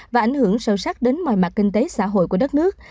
và ảnh hưởng sâu sắc đến mọi mặt kinh tế xã hội của đất nước